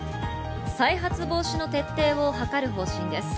再発防止の徹底をはかる方針です。